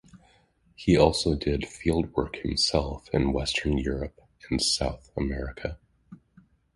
He also did field work himself in western Europe and South America.